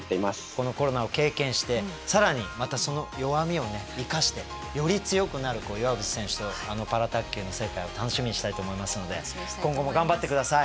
このコロナを経験して更にまたその弱みを生かしてより強くなる岩渕選手のパラ卓球の世界を楽しみにしたいと思いますので今後も頑張って下さい。